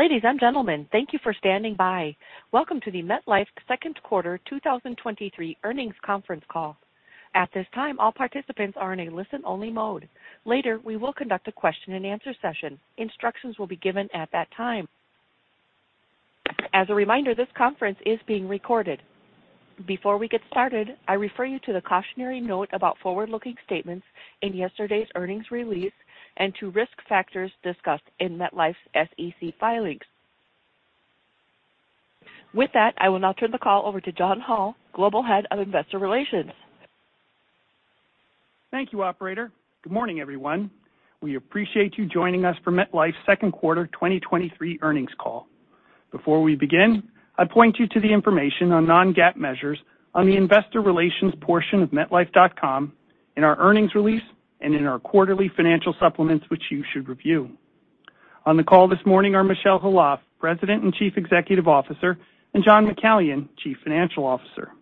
Ladies and gentlemen, thank you for standing by. Welcome to the MetLife Second Quarter 2023 Earnings Conference Call. At this time, all participants are in a listen-only mode. Later, we will conduct a question-and-answer session. Instructions will be given at that time. As a reminder, this conference is being recorded. Before we get started, I refer you to the cautionary note about forward-looking statements in yesterday's earnings release and to risk factors discussed in MetLife's SEC filings. With that, I will now turn the call over to John Hall, Global Head of Investor Relations. Thank you, operator. Good morning, everyone. We appreciate you joining us for MetLife's Second Quarter 2023 Earnings Call. Before we begin, I'd point you to the information on non-GAAP measures on the Investor Relations portion of metlife.com, in our earnings release, and in our quarterly financial supplements, which you should review. On the call this morning are Michel Khalaf, President and Chief Executive Officer, and John McCallion, Chief Financial Officer.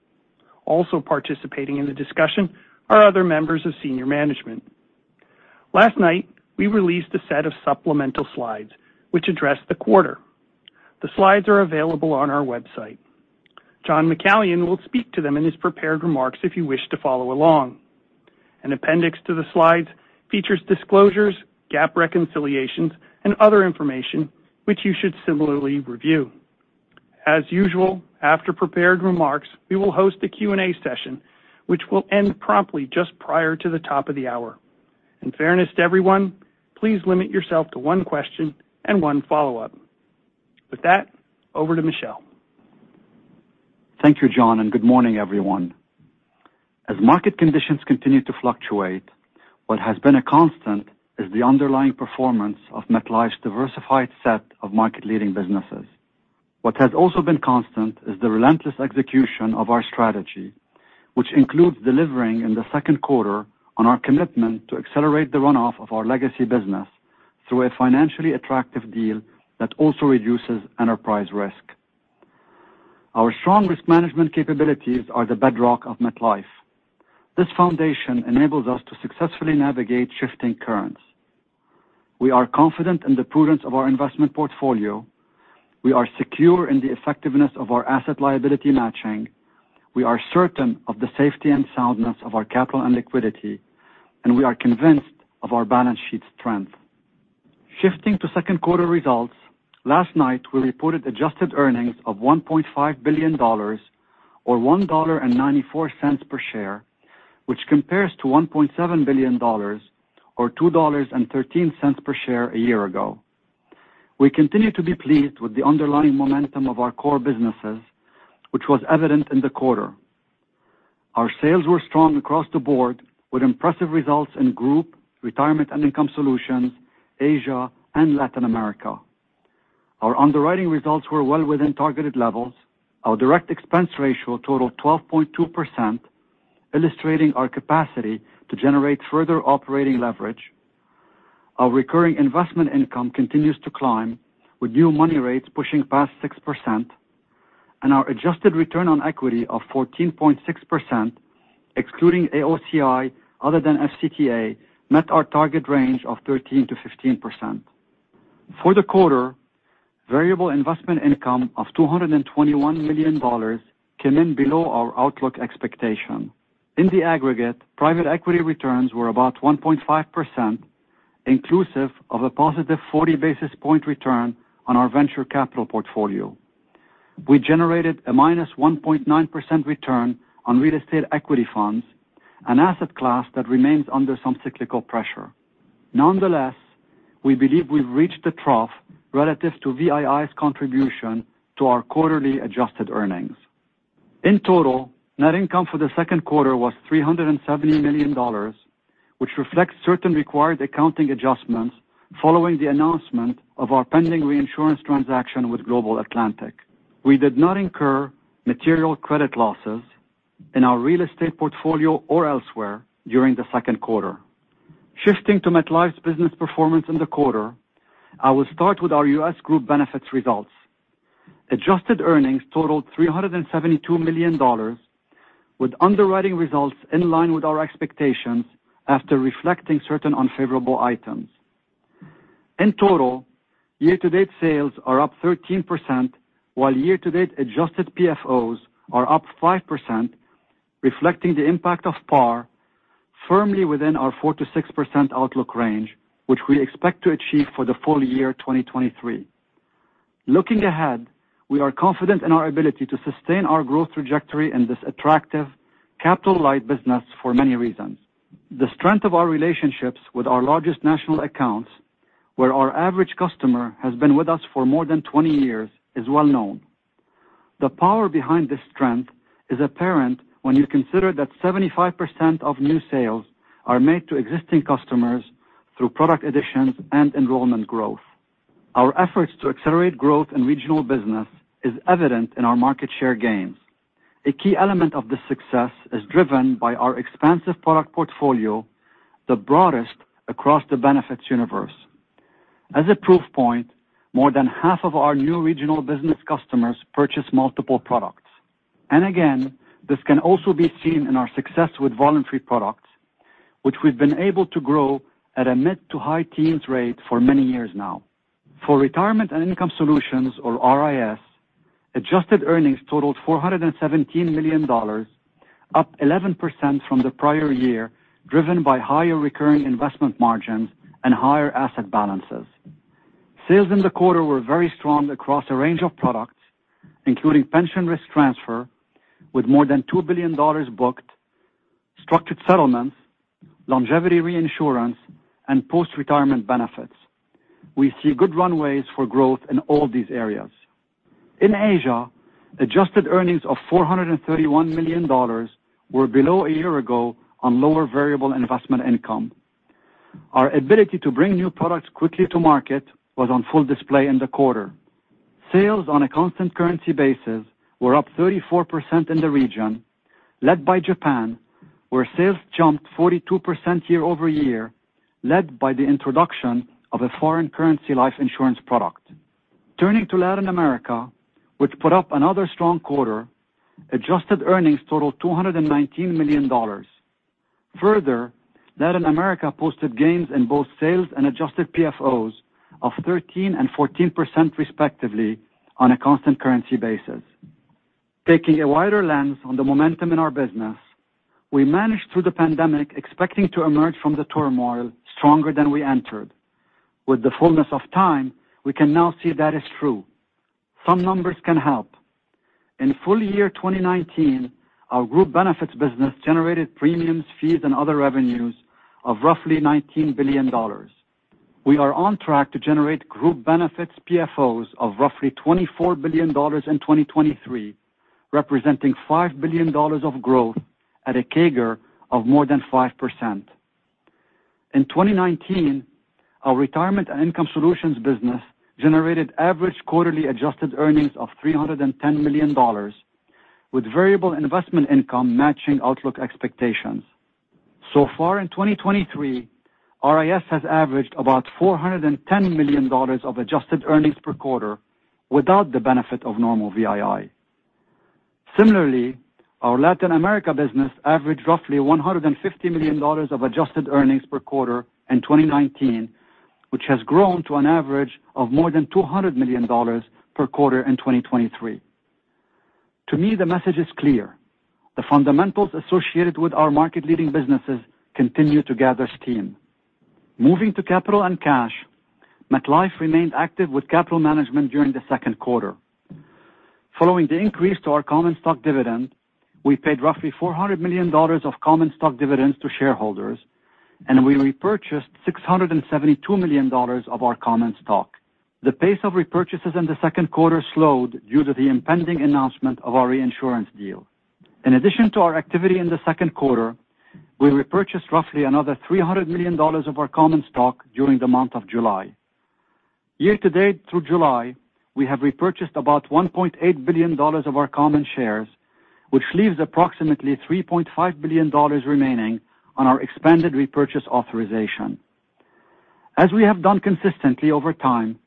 Also participating in the discussion are other members of senior management. Last night, we released a set of supplemental slides which address the quarter. The slides are available on our website. John McCallion will speak to them in his prepared remarks if you wish to follow along. An appendix to the slides features disclosures, GAAP reconciliations, and other information which you should similarly review. As usual, after prepared remarks, we will host a Q&A session, which will end promptly just prior to the top of the hour. In fairness to everyone, please limit yourself to one question and one follow-up. With that, over to Michel. Thank you, John, and good morning, everyone. As market conditions continue to fluctuate, what has been a constant is the underlying performance of MetLife's diversified set of market-leading businesses. What has also been constant is the relentless execution of our strategy, which includes delivering in the second quarter on our commitment to accelerate the runoff of our legacy business through a financially attractive deal that also reduces enterprise risk. Our strong risk management capabilities are the bedrock of MetLife. This foundation enables us to successfully navigate shifting currents. We are confident in the prudence of our investment portfolio. We are secure in the effectiveness of our asset-liability matching. We are certain of the safety and soundness of our capital and liquidity, and we are convinced of our balance sheet strength. Shifting to Second Quarter results, last night, we reported adjusted earnings of $1.5 billion, or $1.94 per share, which compares to $1.7 billion, or $2.13 per share a year ago. We continue to be pleased with the underlying momentum of our core businesses, which was evident in the quarter. Our sales were strong across the board, with impressive results in Group, Retirement & Income Solutions, Asia, and Latin America. Our underwriting results were well within targeted levels. Our direct expense ratio totaled 12.2%, illustrating our capacity to generate further operating leverage. Our recurring investment income continues to climb, with new money rates pushing past 6%, and our adjusted return on equity of 14.6%, excluding AOCI other than FCTA, met our target range of 13%-15%. For the quarter, variable investment income of $221 million came in below our outlook expectation. In the aggregate, private equity returns were about 1.5%, inclusive of a positive 40 basis point return on our venture capital portfolio. We generated a -1.9% return on real estate equity funds, an asset class that remains under some cyclical pressure. Nonetheless, we believe we've reached the trough relative to VII's contribution to our quarterly adjusted earnings. In total, net income for the second quarter was $370 million, which reflects certain required accounting adjustments following the announcement of our pending reinsurance transaction with Global Atlantic. We did not incur material credit losses in our real estate portfolio or elsewhere during the second quarter. Shifting to MetLife's business performance in the quarter, I will start with our U.S. Group Benefits results. Adjusted earnings totaled $372 million, with underwriting results in line with our expectations after reflecting certain unfavorable items. In total, year-to-date sales are up 13%, while year-to-date adjusted PFOs are up 5%, reflecting the impact of PAR firmly within our 4%-6% outlook range, which we expect to achieve for the full year 2023. Looking ahead, we are confident in our ability to sustain our growth trajectory in this attractive capital-light business for many reasons. The strength of our relationships with our largest national accounts, where our average customer has been with us for more than 20 years, is well known. The power behind this strength is apparent when you consider that 75% of new sales are made to existing customers through product additions and enrollment growth. Our efforts to accelerate growth in regional business is evident in our market share gains. A key element of this success is driven by our expansive product portfolio, the broadest across the benefits universe. As a proof point, more than half of our new regional business customers purchase multiple products. Again, this can also be seen in our success with voluntary products. which we've been able to grow at a mid- to high-teens rate for many years now. For Retirement & Income Solutions, or RIS, adjusted earnings totaled $417 million, up 11% from the prior year, driven by higher recurring investment margins and higher asset balances. Sales in the quarter were very strong across a range of products, including pension risk transfer, with more than $2 billion booked, structured settlements, longevity reinsurance, and post-retirement benefits. We see good runways for growth in all these areas. In Asia, adjusted earnings of $431 million were below a year ago on lower variable investment income. Our ability to bring new products quickly to market was on full display in the quarter. Sales on a constant currency basis were up 34% in the region, led by Japan, where sales jumped 42% year-over-year, led by the introduction of a foreign currency life insurance product. Turning to Latin America, which put up another strong quarter, adjusted earnings totaled $219 million. Latin America posted gains in both sales and adjusted PFOs of 13% and 14%, respectively, on a constant currency basis. Taking a wider lens on the momentum in our business, we managed through the pandemic, expecting to emerge from the turmoil stronger than we entered. With the fullness of time, we can now see that is true. Some numbers can help. In full year 2019, our Group Benefits business generated premiums, fees, and other revenues of roughly $19 billion. We are on track to generate Group Benefits PFOs of roughly $24 billion in 2023, representing $5 billion of growth at a CAGR of more than 5%. In 2019, our Retirement & Income Solutions business generated average quarterly adjusted earnings of $310 million, with variable investment income matching outlook expectations. So far in 2023, RIS has averaged about $410 million of adjusted earnings per quarter without the benefit of normal VII. Similarly, our Latin America business averaged roughly $150 million of adjusted earnings per quarter in 2019, which has grown to an average of more than $200 million per quarter in 2023. To me, the message is clear: the fundamentals associated with our market-leading businesses continue to gather steam. Moving to capital and cash, MetLife remained active with capital management during the second quarter. Following the increase to our common stock dividend, we paid roughly $400 million of common stock dividends to shareholders. We repurchased $672 million of our common stock. The pace of repurchases in the second quarter slowed due to the impending announcement of our reinsurance deal. In addition to our activity in the second quarter, we repurchased roughly another $300 million of our common stock during the month of July. Year-to-date, through July, we have repurchased about $1.8 billion of our common shares, which leaves approximately $3.5 billion remaining on our expanded repurchase authorization. As we have done consistently over time,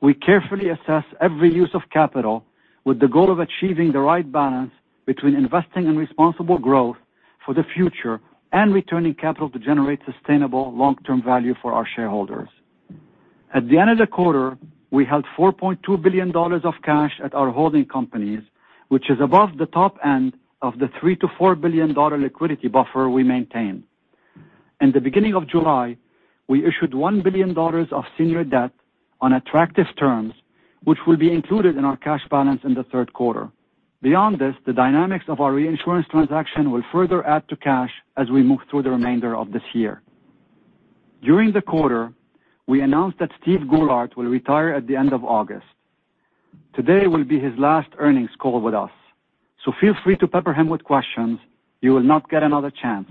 we carefully assess every use of capital with the goal of achieving the right balance between investing in responsible growth for the future and returning capital to generate sustainable long-term value for our shareholders. At the end of the quarter, we held $4.2 billion of cash at our holding companies, which is above the top end of the $3 billion-$4 billion liquidity buffer we maintain. In the beginning of July, we issued $1 billion of senior debt on attractive terms, which will be included in our cash balance in the third quarter. Beyond this, the dynamics of our reinsurance transaction will further add to cash as we move through the remainder of this year. During the quarter, we announced that Steve Goulart will retire at the end of August. Today will be his last earnings call with us, feel free to pepper him with questions. You will not get another chance.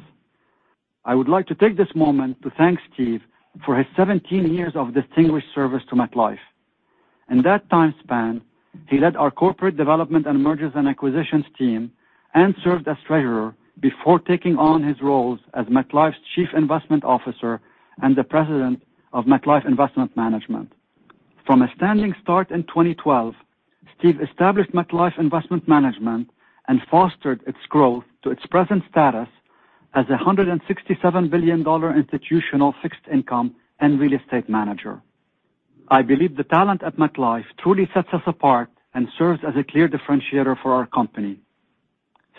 I would like to take this moment to thank Steve for his 17 years of distinguished service to MetLife. In that time span, he led our corporate development and mergers and acquisitions team and served as Treasurer before taking on his roles as MetLife's Chief Investment Officer and the President of MetLife Investment Management. From a standing start in 2012, Steve established MetLife Investment Management and fostered its growth to its present status as a $167 billion institutional fixed income and real estate manager. I believe the talent at MetLife truly sets us apart and serves as a clear differentiator for our company.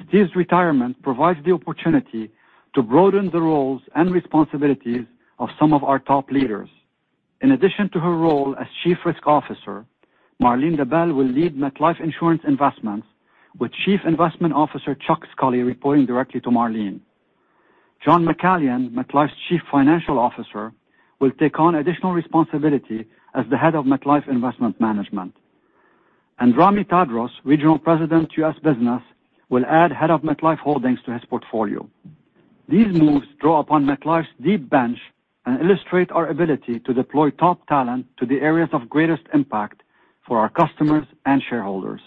Steve's retirement provides the opportunity to broaden the roles and responsibilities of some of our top leaders. In addition to her role as chief risk officer, Marlene Debel will lead MetLife Insurance Investments, with Chief Investment Officer Chuck Scully reporting directly to Marlene. John McCallion, MetLife's Chief Financial Officer, will take on additional responsibility as the head of MetLife Investment Management. Ramy Tadros, regional president, U.S. business, will add head of MetLife Holdings to his portfolio. These moves draw upon MetLife's deep bench and illustrate our ability to deploy top talent to the areas of greatest impact for our customers and shareholders.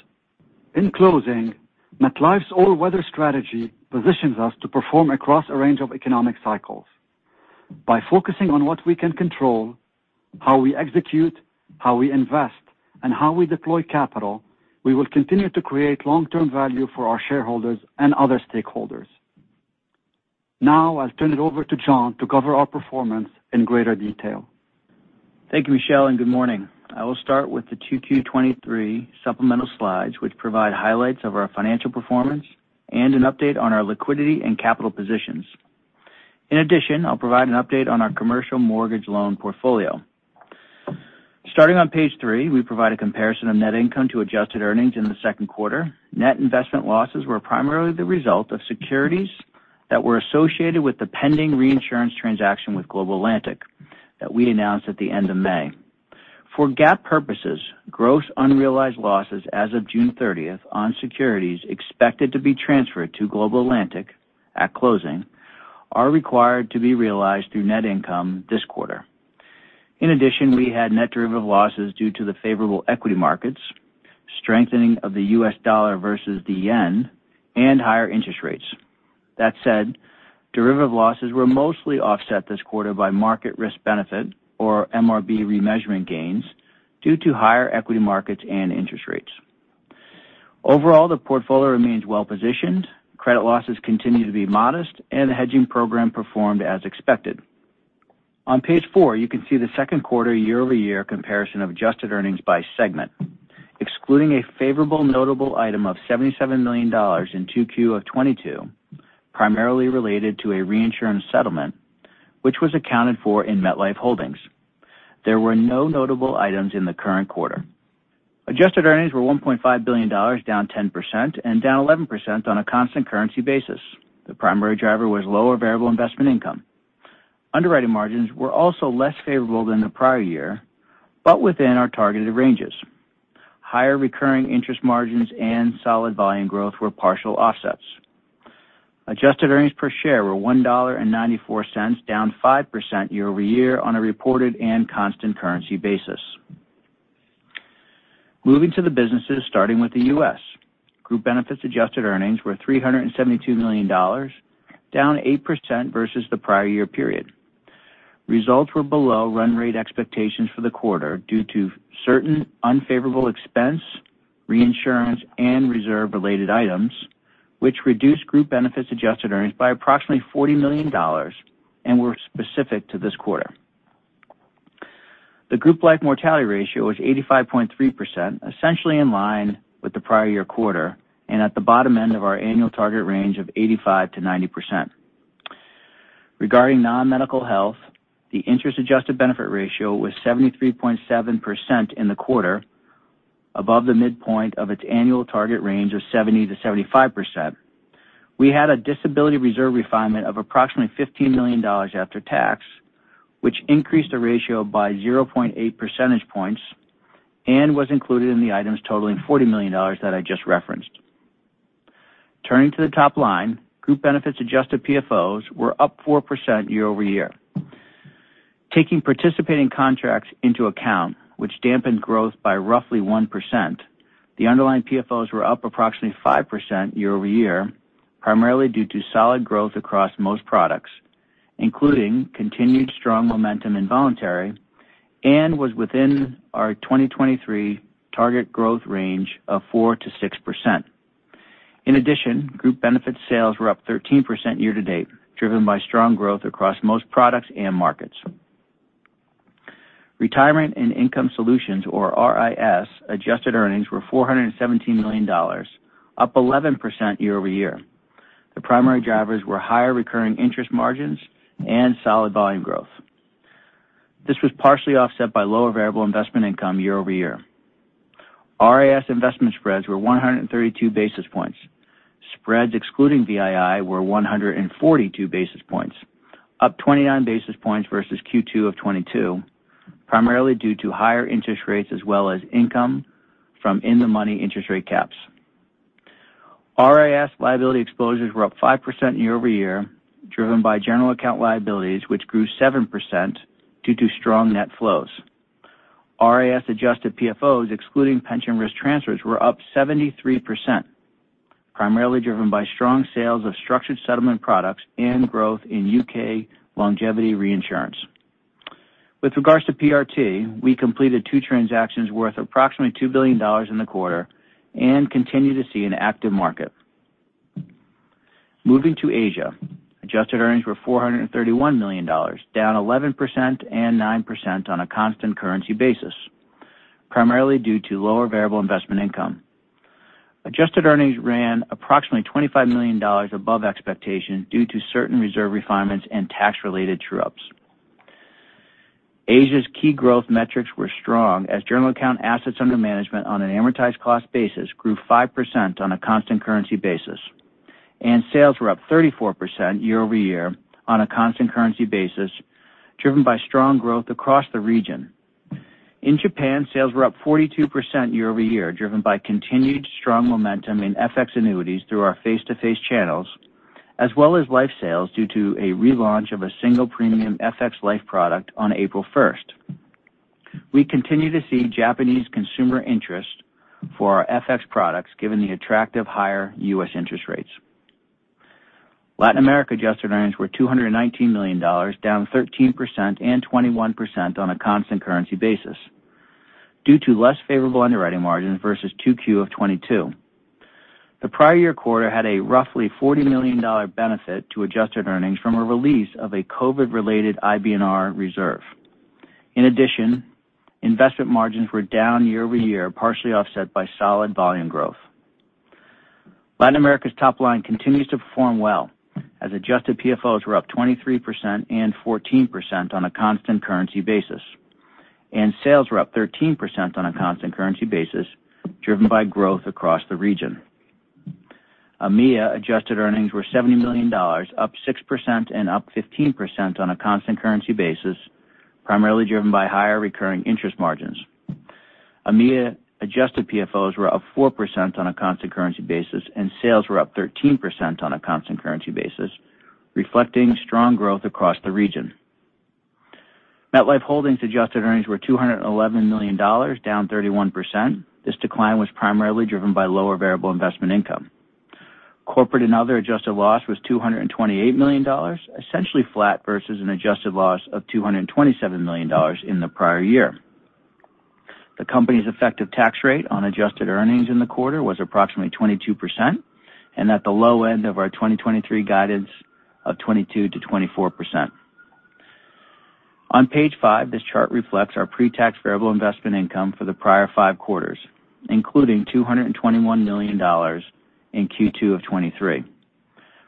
In closing, MetLife's all-weather strategy positions us to perform across a range of economic cycles. By focusing on what we can control, how we execute, how we invest, and how we deploy capital, we will continue to create long-term value for our shareholders and other stakeholders. Now, I'll turn it over to John to cover our performance in greater detail. Thank you, Michel, and good morning. I will start with the 2Q 2023 supplemental slides, which provide highlights of our financial performance and an update on our liquidity and capital positions. In addition, I'll provide an update on our commercial mortgage loan portfolio. Starting on page three, we provide a comparison of net income to adjusted earnings in the second quarter. Net investment losses were primarily the result of securities that were associated with the pending reinsurance transaction with Global Atlantic, that we announced at the end of May. For GAAP purposes, gross unrealized losses as of June 30th on securities expected to be transferred to Global Atlantic at closing, are required to be realized through net income this quarter. In addition, we had net derivative losses due to the favorable equity markets, strengthening of the U.S. dollar versus the yen, and higher interest rates. Derivative losses were mostly offset this quarter by market risk benefit or MRB remeasurement gains due to higher equity markets and interest rates. Overall, the portfolio remains well-positioned, credit losses continue to be modest, and the hedging program performed as expected. On page four, you can see the second quarter year-over-year comparison of adjusted earnings by segment, excluding a favorable notable item of $77 million in 2Q of 2022, primarily related to a reinsurance settlement, which was accounted for in MetLife Holdings. There were no notable items in the current quarter. Adjusted earnings were $1.5 billion, down 10% and down 11% on a constant currency basis. The primary driver was lower variable investment income. Underwriting margins were also less favorable than the prior year, but within our targeted ranges. Higher recurring interest margins and solid volume growth were partial offsets. Adjusted earnings per share were $1.94, down 5% year-over-year on a reported and constant currency basis. Moving to the businesses, starting with the U.S., Group Benefits adjusted earnings were $372 million, down 8% versus the prior year period. Results were below run rate expectations for the quarter due to certain unfavorable expense, reinsurance, and reserve-related items, which reduced Group Benefits adjusted earnings by approximately $40 million and were specific to this quarter. The Group Life mortality ratio was 85.3%, essentially in line with the prior year quarter, and at the bottom end of our annual target range of 85%-90%. Regarding non-medical health, the interest-adjusted benefit ratio was 73.7% in the quarter, above the midpoint of its annual target range of 70%-75%. We had a disability reserve refinement of approximately $15 million after tax, which increased the ratio by 0.8 percentage points and was included in the items totaling $40 million that I just referenced. Turning to the top line, Group Benefits adjusted PFOs were up 4% year-over-year. Taking participating contracts into account, which dampened growth by roughly 1%, the underlying PFOs were up approximately 5% year-over-year, primarily due to solid growth across most products, including continued strong momentum in voluntary, and was within our 2023 target growth range of 4%-6%. Group benefit sales were up 13% year-to-date, driven by strong growth across most products and markets. Retirement and Income Solutions, or RIS, adjusted earnings were $417 million, up 11% year-over-year. The primary drivers were higher recurring interest margins and solid volume growth. This was partially offset by lower variable investment income year-over-year. RIS investment spreads were 132 basis points. Spreads excluding VII were 142 basis points, up 29 basis points versus Q2 of 2022, primarily due to higher interest rates as well as income from in-the-money interest rate caps. RIS liability exposures were up 5% year-over-year, driven by general account liabilities, which grew 7% due to strong net flows. RIS adjusted PFOs, excluding pension risk transfers, were up 73%, primarily driven by strong sales of structured settlement products and growth in U.K. longevity reinsurance. With regards to PRT, we completed two transactions worth approximately $2 billion in the quarter and continue to see an active market. Moving to Asia, adjusted earnings were $431 million, down 11% and 9% on a constant currency basis, primarily due to lower variable investment income. Adjusted earnings ran approximately $25 million above expectations due to certain reserve refinements and tax-related true ups. Asia's key growth metrics were strong, as general account assets under management on an amortized cost basis grew 5% on a constant currency basis, and sales were up 34% year-over-year on a constant currency basis, driven by strong growth across the region. In Japan, sales were up 42% year-over-year, driven by continued strong momentum in FX annuities through our face-to-face channels, as well as life sales due to a relaunch of a single premium FX life product on April 1. We continue to see Japanese consumer interest for our FX products, given the attractive higher U.S. interest rates. Latin America adjusted earnings were $219 million, down 13% and 21% on a constant currency basis due to less favorable underwriting margins versus 2Q of 2022. The prior year quarter had a roughly $40 million benefit to adjusted earnings from a release of a COVID-related IBNR reserve. In addition, investment margins were down year-over-year, partially offset by solid volume growth. Latin America's top line continues to perform well, as adjusted PFOs were up 23% and 14% on a constant currency basis, and sales were up 13% on a constant currency basis, driven by growth across the region. EMEA adjusted earnings were $70 million, up 6% and up 15% on a constant currency basis, primarily driven by higher recurring investment margins. EMEA adjusted PFOs were up 4% on a constant currency basis. Sales were up 13% on a constant currency basis, reflecting strong growth across the region. MetLife Holdings adjusted earnings were $211 million, down 31%. This decline was primarily driven by lower variable investment income. Corporate and other adjusted loss was $228 million, essentially flat versus an adjusted loss of $227 million in the prior year. The company's effective tax rate on adjusted earnings in the quarter was approximately 22%, at the low end of our 2023 guidance of 22%-24%. On page five, this chart reflects our pre-tax variable investment income for the prior five quarters, including $221 million in Q2 of 2023.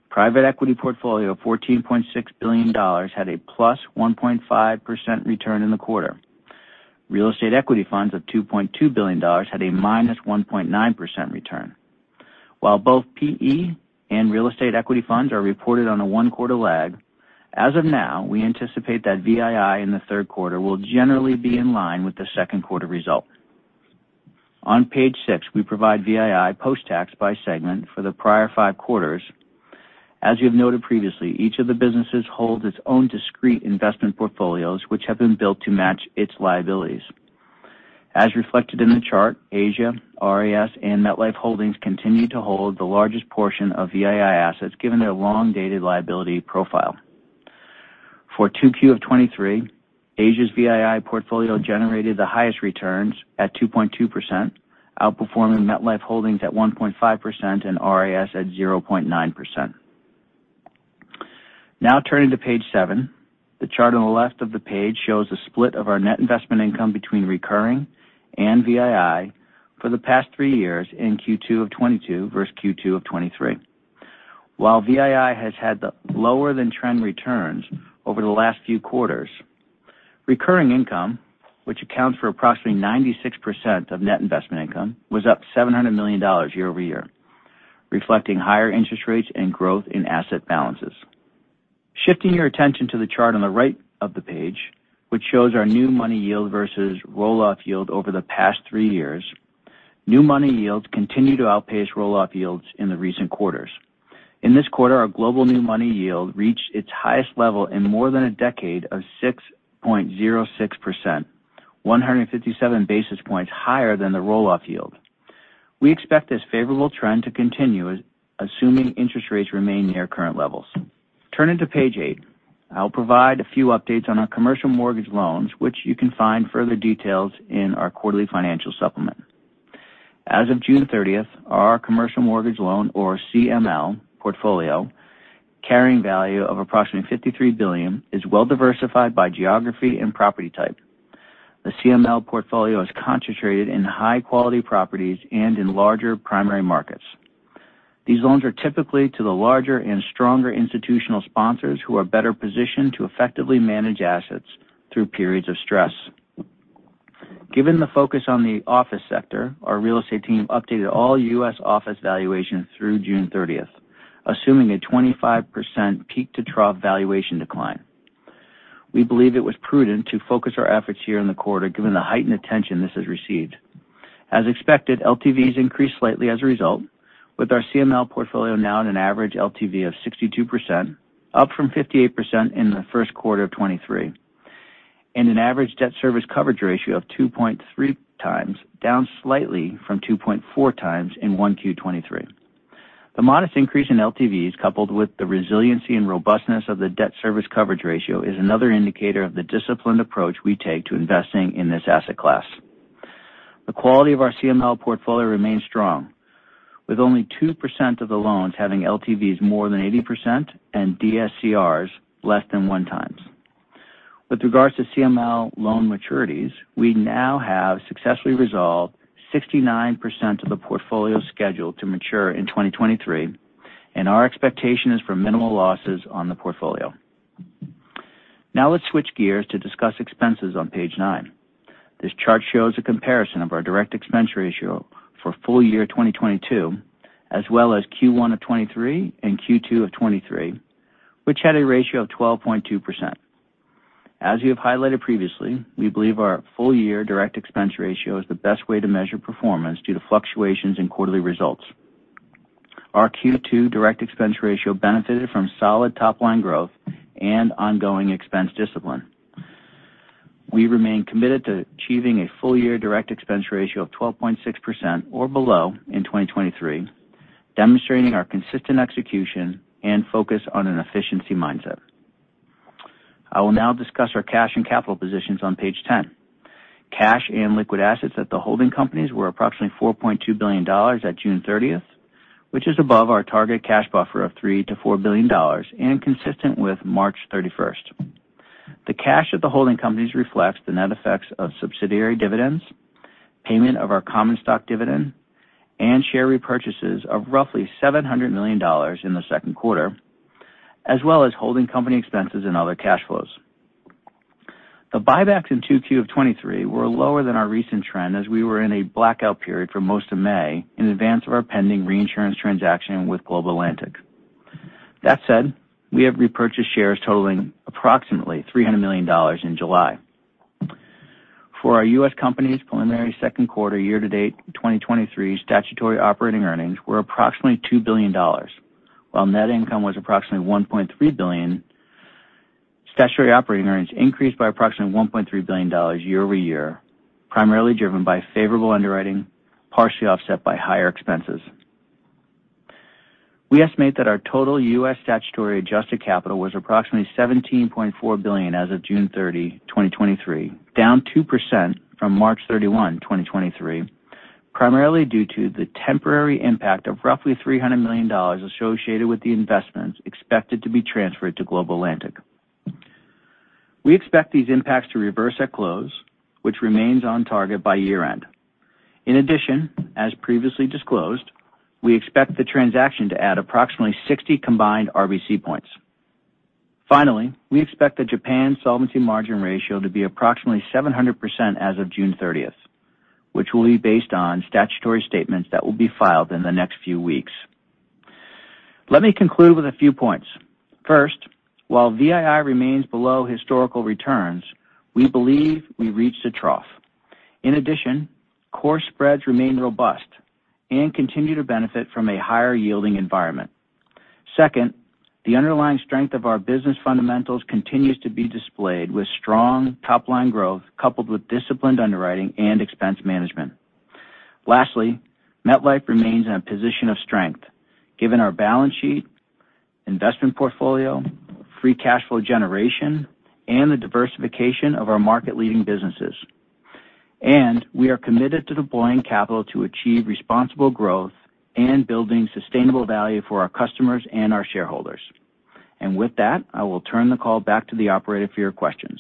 Private equity portfolio of $14.6 billion had a +1.5% return in the quarter. Real estate equity funds of $2.2 billion had a -1.9% return. Both PE and real estate equity funds are reported on a one-quarter lag, as of now, we anticipate that VII in the third quarter will generally be in line with the second quarter result. On page six, we provide VII post-tax by segment for the prior five quarters. As you have noted previously, each of the businesses holds its own discrete investment portfolios, which have been built to match its liabilities. As reflected in the chart, Asia, RIS, and MetLife Holdings continue to hold the largest portion of VII assets, given their long-dated liability profile. For 2Q of 2023, Asia's VII portfolio generated the highest returns at 2.2%, outperforming MetLife Holdings at 1.5% and RIS at 0.9%. Turning to page seven. The chart on the left of the page shows a split of our net investment income between recurring and VII for the past three years in Q2 of 2022 versus Q2 of 2023. While VII has had the lower than trend returns over the last few quarters, recurring income, which accounts for approximately 96% of net investment income, was up $700 million year-over-year, reflecting higher interest rates and growth in asset balances. Shifting your attention to the chart on the right of the page, which shows our new money yield versus roll-off yield over the past three years, new money yields continue to outpace roll-off yields in the recent quarters. In this quarter, our global new money yield reached its highest level in more than a decade of 6.06%, 157 basis points higher than the roll-off yield. We expect this favorable trend to continue, assuming interest rates remain near current levels. Turning to page eight, I'll provide a few updates on our commercial mortgage loans, which you can find further details in our quarterly financial supplement. As of June 30th, our commercial mortgage loan, or CML portfolio, carrying value of approximately $53 billion, is well diversified by geography and property type. The CML portfolio is concentrated in high-quality properties and in larger primary markets. These loans are typically to the larger and stronger institutional sponsors, who are better positioned to effectively manage assets through periods of stress. Given the focus on the office sector, our real estate team updated all U.S. office valuations through June 30th, assuming a 25% peak-to-trough valuation decline. We believe it was prudent to focus our efforts here in the quarter, given the heightened attention this has received. As expected, LTVs increased slightly as a result, with our CML portfolio now at an average LTV of 62%, up from 58% in the first quarter of 2023, and an average debt service coverage ratio of 2.3 times, down slightly from 2.4 times in 1Q 2023. The modest increase in LTVs, coupled with the resiliency and robustness of the debt service coverage ratio, is another indicator of the disciplined approach we take to investing in this asset class. The quality of our CML portfolio remains strong, with only 2% of the loans having LTVs more than 80% and DSCRs less than 1x. With regards to CML loan maturities, we now have successfully resolved 69% of the portfolio scheduled to mature in 2023, and our expectation is for minimal losses on the portfolio. Let's switch gears to discuss expenses on page nine. This chart shows a comparison of our direct expense ratio for full year 2022, as well as Q1 of 2023 and Q2 of 2023, which had a ratio of 12.2%. As we have highlighted previously, we believe our full year direct expense ratio is the best way to measure performance due to fluctuations in quarterly results. Our Q2 direct expense ratio benefited from solid top-line growth and ongoing expense discipline. We remain committed to achieving a full-year direct expense ratio of 12.6% or below in 2023, demonstrating our consistent execution and focus on an efficiency mindset. I will now discuss our cash and capital positions on page 10. Cash and liquid assets at the holding companies were approximately $4.2 billion at June 30th, which is above our target cash buffer of $3 billion-$4 billion, and consistent with March 31st. The cash at the holding companies reflects the net effects of subsidiary dividends, payment of our common stock dividend, and share repurchases of roughly $700 million in the second quarter, as well as holding company expenses and other cash flows. The buybacks in Q2 of 2023 were lower than our recent trend, as we were in a blackout period for most of May in advance of our pending reinsurance transaction with Global Atlantic. That said, we have repurchased shares totaling approximately $300 million in July. For our U.S. company's preliminary second quarter year-to-date 2023 statutory operating earnings were approximately $2 billion, while net income was approximately $1.3 billion. Statutory operating earnings increased by approximately $1.3 billion year-over-year, primarily driven by favorable underwriting, partially offset by higher expenses. We estimate that our total U.S. statutory adjusted capital was approximately $17.4 billion as of June 30, 2023, down 2% from March 31, 2023, primarily due to the temporary impact of roughly $300 million associated with the investments expected to be transferred to Global Atlantic. We expect these impacts to reverse at close, which remains on target by year-end. As previously disclosed, we expect the transaction to add approximately 60 combined RBC points. We expect the Japan solvency margin ratio to be approximately 700% as of June 30th, which will be based on statutory statements that will be filed in the next few weeks. Let me conclude with a few points. While VII remains below historical returns, we believe we reached a trough. Core spreads remain robust and continue to benefit from a higher-yielding environment. Second, the underlying strength of our business fundamentals continues to be displayed with strong top-line growth, coupled with disciplined underwriting and expense management. Lastly, MetLife remains in a position of strength, given our balance sheet, investment portfolio, free cash flow generation, and the diversification of our market-leading businesses. We are committed to deploying capital to achieve responsible growth and building sustainable value for our customers and our shareholders. With that, I will turn the call back to the operator for your questions.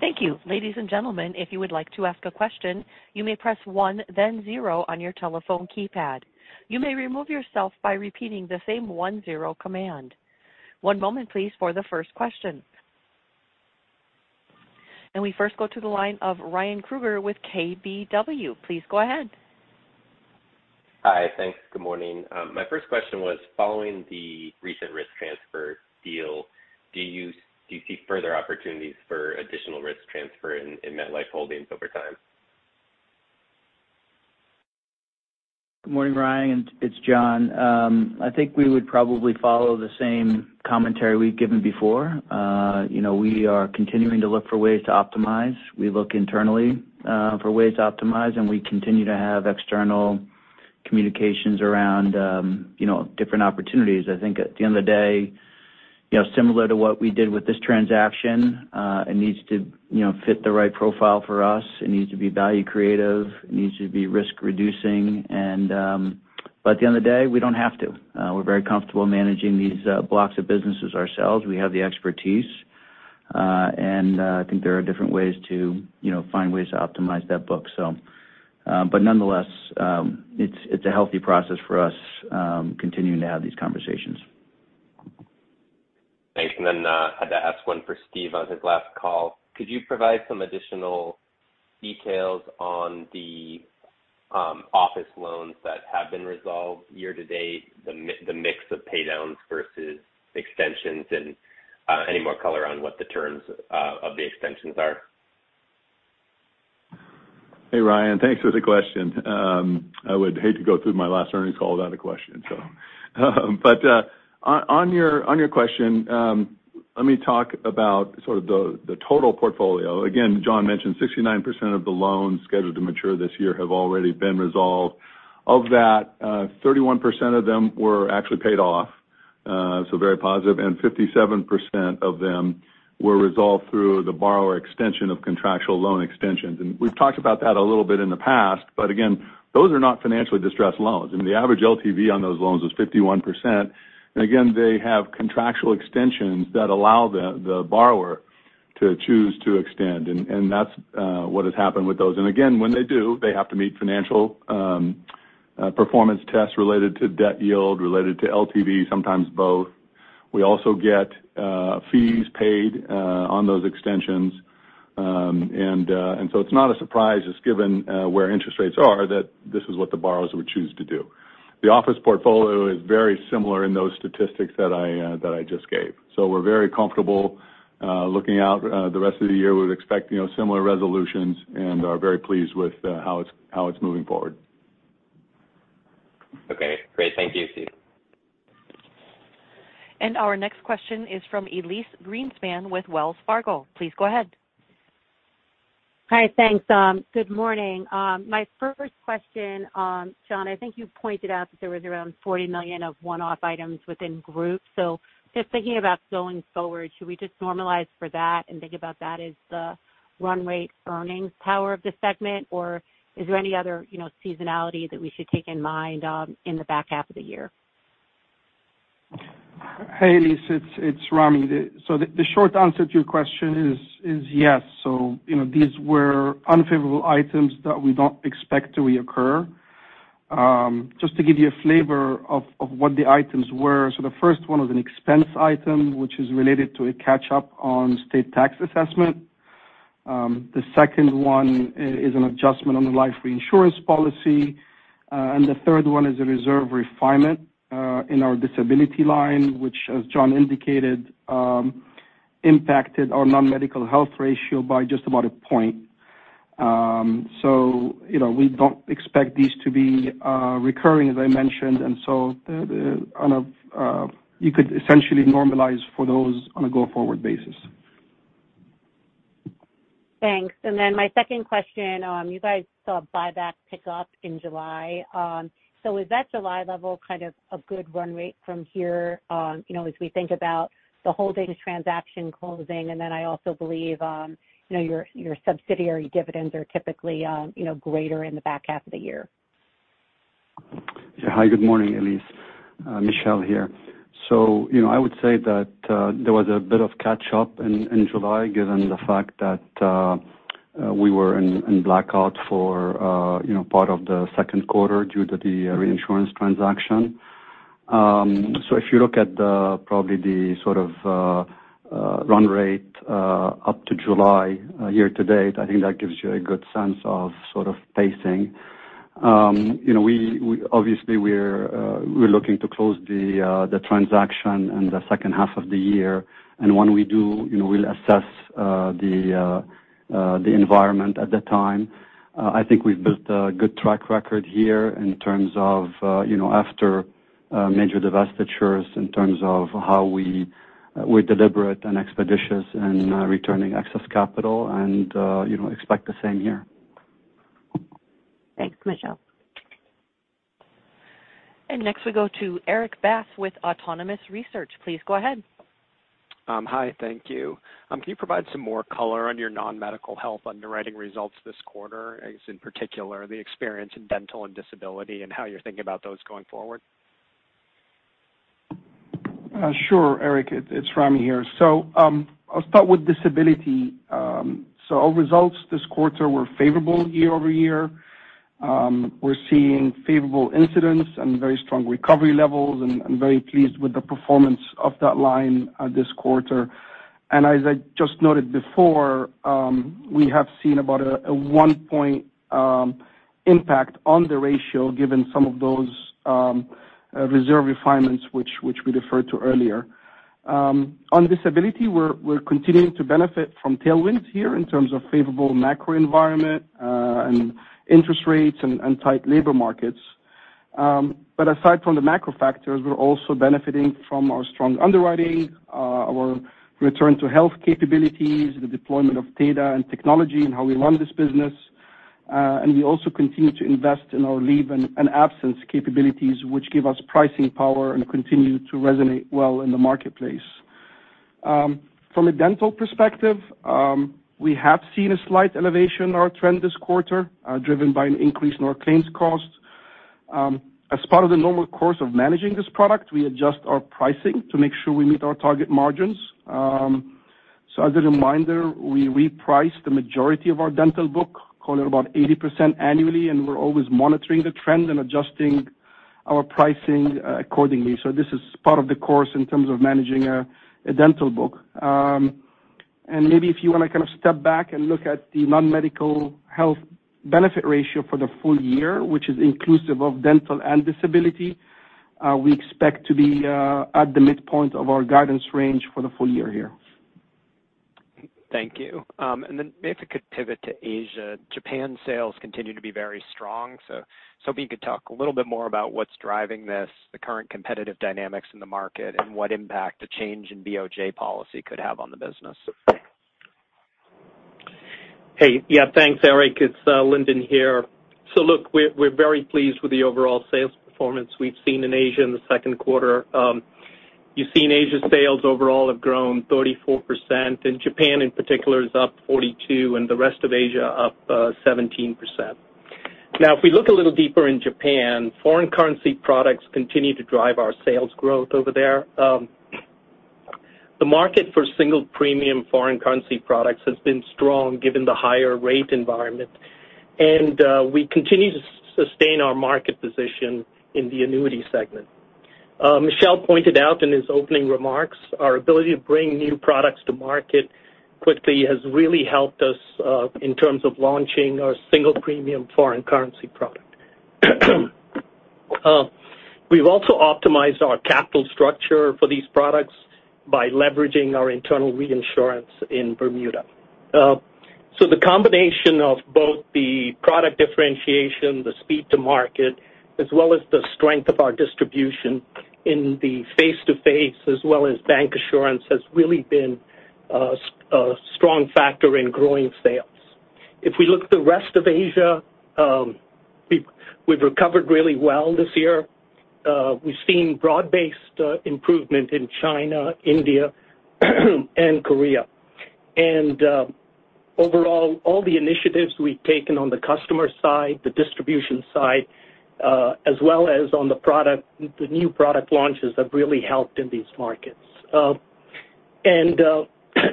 Thank you. Ladies and gentlemen, if you would like to ask a question, you may press one, then zero on your telephone keypad. You may remove yourself by repeating the same one, zero command. One moment please for the first question. We first go to the line of Ryan Krueger with KBW. Please go ahead. Hi. Thanks. Good morning. My first question was, following the recent risk transfer deal, do you see further opportunities for additional risk transfer in MetLife Holdings over time? Good morning, Ryan. It's John. I think we would probably follow the same commentary we've given before. You know, we are continuing to look for ways to optimize. We look internally for ways to optimize, and we continue to have external communications around, you know, different opportunities. I think at the end of the day, you know, similar to what we did with this transaction, it needs to, you know, fit the right profile for us. It needs to be value creative, it needs to be risk reducing, and... At the end of the day, we don't have to. We're very comfortable managing these blocks of businesses ourselves. We have the expertise, and I think there are different ways to, you know, find ways to optimize that book. Nonetheless, it's, it's a healthy process for us, continuing to have these conversations. Thanks. I had to ask one for Steve on his last call. Could you provide some additional details on the office loans that have been resolved year-to-date, the mix of paydowns versus extensions, and any more color on what the terms of the extensions are? Hey, Ryan. Thanks for the question. I would hate to go through my last earnings call without a question. On your question, let me talk about sort of the total portfolio. Again, John mentioned 69% of the loans scheduled to mature this year have already been resolved. Of that, 31% of them were actually paid off, so very positive. 57% of them were resolved through the borrower extension of contractual loan extensions. We've talked about that a little bit in the past, but again, those are not financially distressed loans. I mean, the average LTV on those loans was 51%, and again, they have contractual extensions that allow the borrower to choose to extend. That's what has happened with those. Again, when they do, they have to meet financial performance tests related to debt yield, related to LTV, sometimes both. We also get fees paid on those extensions. So it's not a surprise, just given where interest rates are, that this is what the borrowers would choose to do. The office portfolio is very similar in those statistics that I that I just gave. We're very comfortable looking out the rest of the year. We would expect, you know, similar resolutions and are very pleased with how it's moving forward. Okay, great. Thank you, Steve. Our next question is from Elyse Greenspan with Wells Fargo. Please go ahead. Hi, thanks, good morning. My first question, John, I think you pointed out that there was around $40 million of one-off items within Group. Just thinking about going forward, should we just normalize for that and think about that as the run rate earnings power of the segment? Is there any other, you know, seasonality that we should take in mind, in the back half of the year? Hey, Elyse, it's, it's Ramy. The, the short answer to your question is, is yes. You know, these were unfavorable items that we don't expect to reoccur. Just to give you a flavor of, of what the items were, so the first one was an expense item, which is related to a catch up on state tax assessment. The second one is an adjustment on the life reinsurance policy. The third one is a reserve refinement in our disability line, which, as John indicated, impacted our non-medical health ratio by just about a point. You know, we don't expect these to be recurring, as I mentioned, the, the on a, you could essentially normalize for those on a go-forward basis. Thanks. My second question. You guys saw buyback pick up in July. Is that July level kind of a good run rate from here, you know, as we think about the Holdings transaction closing, I also believe, you know, your, your subsidiary dividends are typically, you know, greater in the back half of the year? Yeah. Hi, good morning, Elyse, Michel here. You know, I would say that there was a bit of catch up in, in July, given the fact that we were in blackout for, you know, part of the second quarter due to the reinsurance transaction. If you look at the, probably the sort of run rate up to July, year to date, I think that gives you a good sense of sort of pacing. You know, we obviously we're looking to close the transaction in the second half of the year, and when we do, you know, we'll assess the environment at that time. I think we've built a good track record here in terms of, you know, after major divestitures, in terms of how we're deliberate and expeditious in returning excess capital and, you know, expect the same here. Thanks, Michel. Next, we go to Erik Bass with Autonomous Research. Please go ahead. Hi. Thank you. Can you provide some more color on your non-medical health underwriting results this quarter, I guess, in particular, the experience in dental and disability, and how you're thinking about those going forward? Sure, Erik. It's Ramy here. I'll start with disability. Our results this quarter were favorable year-over-year. We're seeing favorable incidents and very strong recovery levels, and I'm very pleased with the performance of that line this quarter. As I just noted before, we have seen about a one point impact on the ratio given some of those reserve refinements, which we referred to earlier. On disability, we're continuing to benefit from tailwinds here in terms of favorable macro environment, and interest rates and tight labor markets. Aside from the macro factors, we're also benefiting from our strong underwriting, our return to health capabilities, the deployment of data and technology, and how we run this business. We also continue to invest in our leave and absence capabilities, which give us pricing power and continue to resonate well in the marketplace. From a dental perspective, we have seen a slight elevation in our trend this quarter, driven by an increase in our claims costs. As part of the normal course of managing this product, we adjust our pricing to make sure we meet our target margins. As a reminder, we reprice the majority of our dental book, call it about 80% annually, and we're always monitoring the trend and adjusting our pricing accordingly. This is part of the course in terms of managing a dental book. Maybe if you want to kind of step back and look at the non-medical health benefit ratio for the full year, which is inclusive of dental and disability, we expect to be at the midpoint of our guidance range for the full year here. Thank you. If I could pivot to Asia, Japan sales continue to be very strong, so somebody could talk a little bit more about what's driving this, the current competitive dynamics in the market, and what impact the change in BOJ policy could have on the business? Hey, yeah, thanks, Erik. It's Lyndon here. Look, we're very pleased with the overall sales performance we've seen in Asia in the second quarter. You've seen Asia sales overall have grown 34%, and Japan in particular is up 42, and the rest of Asia up 17%. If we look a little deeper in Japan, foreign currency products continue to drive our sales growth over there. The market for single premium foreign currency products has been strong given the higher rate environment, and we continue to sustain our market position in the annuity segment. Michel pointed out in his opening remarks, our ability to bring new products to market quickly has really helped us in terms of launching our single premium foreign currency product. We've also optimized our capital structure for these products by leveraging our internal reinsurance in Bermuda. The combination of both the product differentiation, the speed to market, as well as the strength of our distribution in the face-to-face, as well as bancassurance, has really been a strong factor in growing sales. If we look at the rest of Asia, we've recovered really well this year. We've seen broad-based improvement in China, India, and Korea. Overall, all the initiatives we've taken on the customer side, the distribution side, as well as on the product, the new product launches, have really helped in these markets.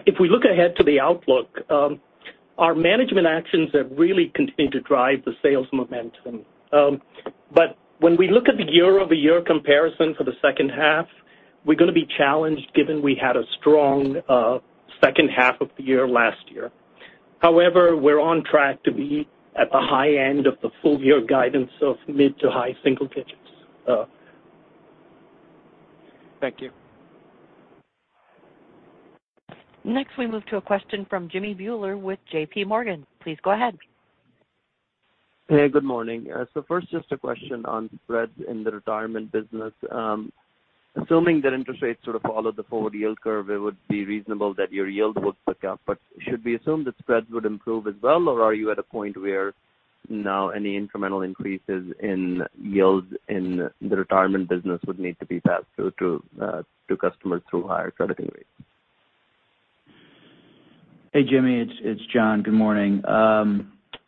If we look ahead to the outlook, our management actions have really continued to drive the sales momentum. When we look at the year-over-year comparison for the second half, we're gonna be challenged, given we had a strong second half of the year last year. However, we're on track to be at the high end of the full year guidance of mid to high single digits. Thank you. Next, we move to a question from Jimmy Bhullar with JP Morgan. Please go ahead. Hey, good morning. First, just a question on spreads in the retirement business. Assuming that interest rates sort of follow the forward yield curve, it would be reasonable that your yield would tick up. Should we assume that spreads would improve as well, or are you at a point where now any incremental increases in yields in the retirement business would need to be passed through to customers through higher crediting rates? Hey, Jimmy, it's John. Good morning.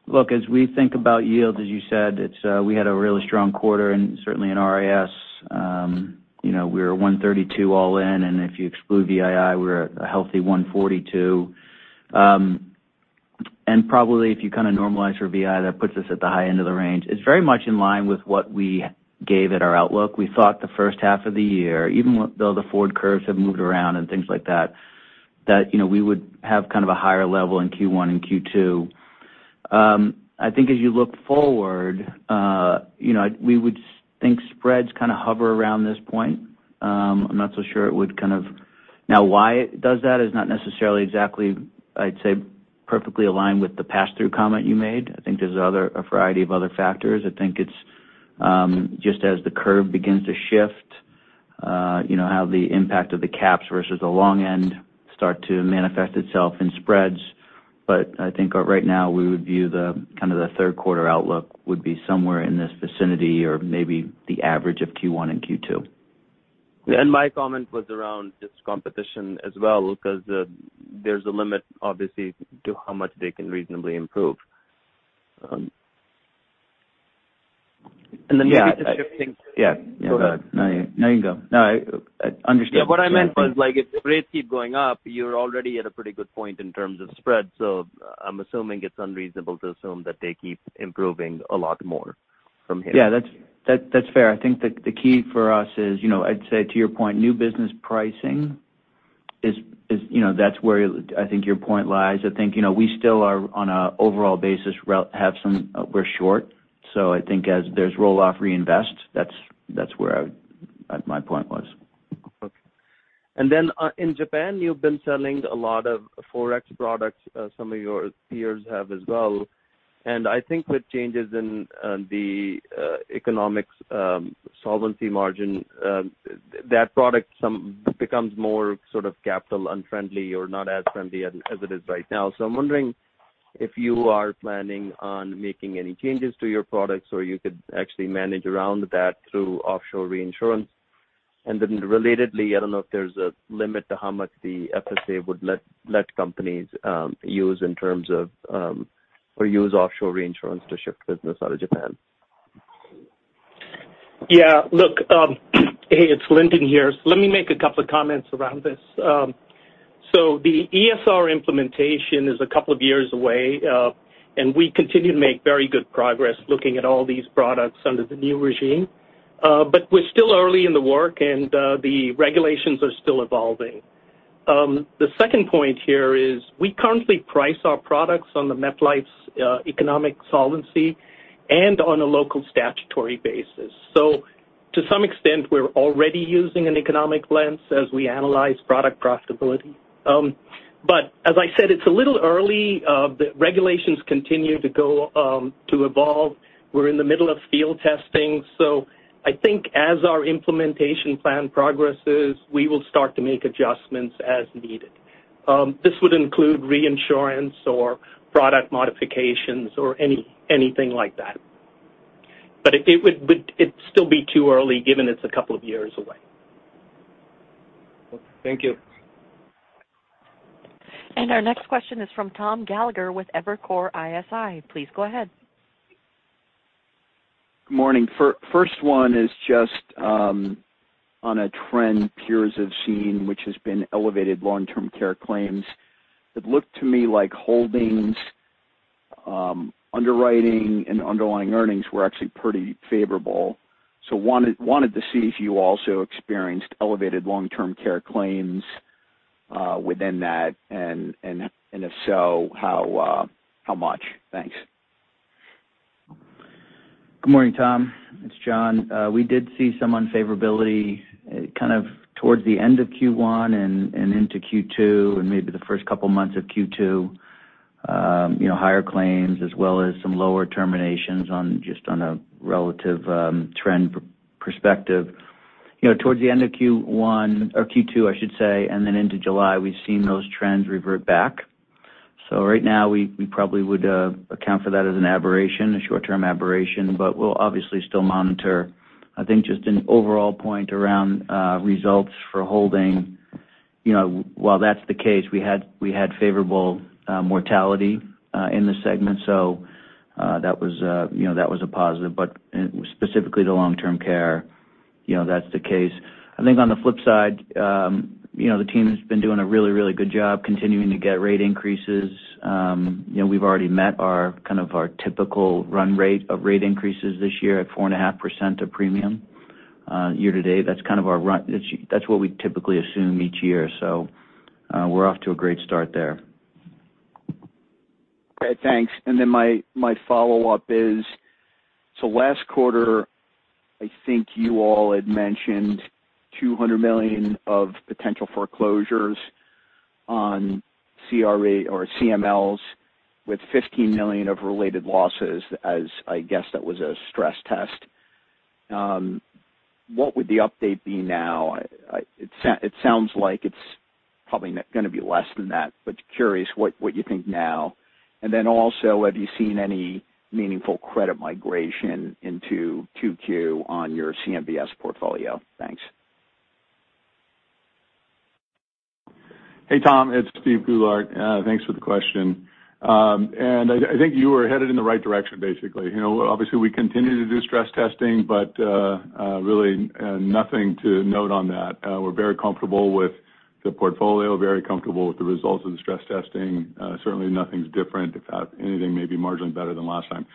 look, as we think about yields, as you said, it's, we had a really strong quarter and certainly in RAS, you know, we were 132 all in. If you exclude VII, we're at a healthy 142. Probably if you kind of normalize your VII, that puts us at the high end of the range. It's very much in line with what we gave at our outlook. We thought the first half of the year, even with- though the forward curves have moved around and things like that, that, you know, we would have kind of a higher level in Q1 and Q2. I think as you look forward, you know, we would think spreads kind of hover around this point. I'm not so sure it would kind of... Why it does that is not necessarily exactly, I'd say, perfectly aligned with the pass-through comment you made. I think there's other, a variety of other factors. I think it's, just as the curve begins to shift, you know, how the impact of the caps versus the long end start to manifest itself in spreads. I think right now, we would view the, kind of the third quarter outlook would be somewhere in this vicinity or maybe the average of Q1 and Q2. My comment was around this competition as well, because, there's a limit, obviously, to how much they can reasonably improve. Then... Yeah. Shifting- Yeah. Yeah. Go ahead. No, you, no, you go. No, I, I understand. What I meant was, like, if the rates keep going up, you're already at a pretty good point in terms of spread, so I'm assuming it's unreasonable to assume that they keep improving a lot more from here. Yeah, that's, that, that's fair. I think the, the key for us is, you know, I'd say to your point, new business pricing is, is, you know, that's where I think your point lies. I think, you know, we still are, on a overall basis, we're short, so I think as there's roll-off reinvest, that's where my point was. Okay. In Japan, you've been selling a lot of forex products. Some of your peers have as well. I think with changes in the economics, solvency margin, that product becomes more sort of capital unfriendly or not as friendly as it is right now. I'm wondering if you are planning on making any changes to your products, or you could actually manage around that through offshore reinsurance? Relatedly, I don't know if there's a limit to how much the FSA would let, let companies use in terms of, or use offshore reinsurance to shift business out of Japan. Yeah. Look, hey, it's Lyndon here. Let me make a couple of comments around this. The ESR implementation is a couple of years away, and we continue to make very good progress looking at all these products under the new regime. We're still early in the work, and the regulations are still evolving. The second point here is, we currently price our products on MetLife's economic solvency and on a local statutory basis. To some extent, we're already using an economic lens as we analyze product profitability. As I said, it's a little early. The regulations continue to evolve. We're in the middle of field testing, so I think as our implementation plan progresses, we will start to make adjustments as needed. This would include reinsurance or product modifications or anything like that. It's still be too early, given it's a couple of years away. Thank you. Our next question is from Tom Gallagher with Evercore ISI. Please go ahead. Good morning. First one is just on a trend peers have seen, which has been elevated long-term care claims. It looked to me like underwriting and underlying earnings were actually pretty favorable. Wanted to see if you also experienced elevated long-term care claims within that, and if so, how much? Thanks. Good morning, Tom, it's John. We did see some unfavorability kind of towards the end of Q1 and into Q2, and maybe the first couple months of Q2. You know, higher claims as well as some lower terminations on just on a relative trend perspective. You know, towards the end of Q1 or Q2, I should say, and then into July, we've seen those trends revert back. Right now, we, we probably would account for that as an aberration, a short-term aberration, but we'll obviously still monitor. I think just an overall point around results for holding, you know, while that's the case, we had, we had favorable mortality in the segment so that was, you know, that was a positive, but specifically the long-term care, you know, that's the case. I think on the flip side, you know, the team has been doing a really, really good job continuing to get rate increases. You know, we've already met our kind of our typical run rate of rate increases this year at 4.5% of premium. Year-to-date, that's kind of our run- that's what we typically assume each year. We're off to a great start there. Great, thanks. My, my follow-up is, last quarter, I think you all had mentioned $200 million of potential foreclosures on CRA or CMLs, with $15 million of related losses, as I guess that was a stress test. What would the update be now? It sounds like it's probably not gonna be less than that, but curious what, what you think now. Also, have you seen any meaningful credit migration into 2Q on your CMBS portfolio? Thanks. Hey, Tom, it's Steve Goulart. Thanks for the question. I think you were headed in the right direction, basically. You know, obviously, we continue to do stress testing, but really nothing to note on that. We're very comfortable with the portfolio, very comfortable with the results of the stress testing. Certainly nothing's different. If anything, maybe marginally better than last time.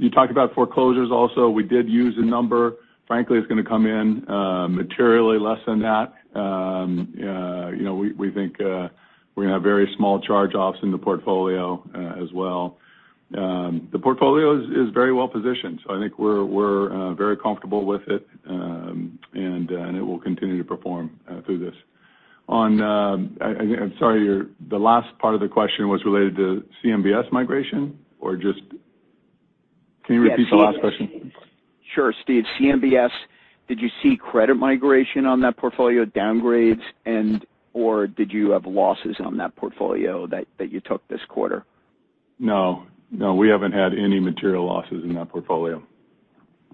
You talked about foreclosures also. We did use a number. Frankly, it's gonna come in materially less than that. We think we're gonna have very small charge-offs in the portfolio as well. The portfolio is, is very well positioned, so I think we're, we're very comfortable with it, and it will continue to perform through this. I'm sorry, your-- the last part of the question was related to CMBS migration or just... Can you repeat the last question? Sure, Steve. CMBS, did you see credit migration on that portfolio, downgrades, and/or did you have losses on that portfolio that, that you took this quarter? No. No, we haven't had any material losses in that portfolio.